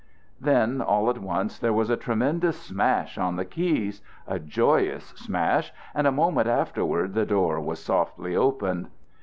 Then all at once there was a tremendous smash on the keys, a joyous smash, and a moment afterward the door was softly opened.